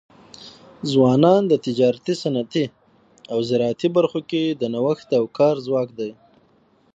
ځوانان د تجارتي، صنعتي او زراعتي برخو کي د نوښت او کار ځواک دی.